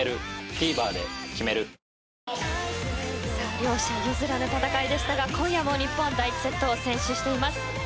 両者譲らぬ戦いですが今夜も日本第１セットを先取しています。